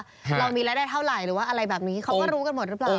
เรามีรายได้เท่าไหร่หรือว่าอะไรแบบนี้เขาก็รู้กันหมดหรือเปล่า